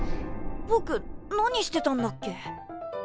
ぼく何してたんだっけ？